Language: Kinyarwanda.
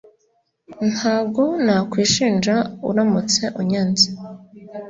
Ntabwo nakwishinja uramutse unyanze